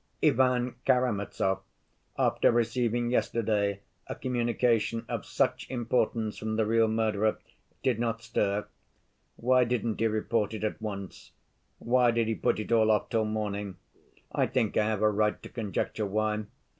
"Ivan Karamazov, after receiving yesterday a communication of such importance from the real murderer, did not stir. Why didn't he report it at once? Why did he put it all off till morning? I think I have a right to conjecture why.